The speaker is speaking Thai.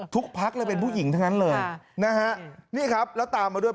พักเลยเป็นผู้หญิงทั้งนั้นเลยนะฮะนี่ครับแล้วตามมาด้วย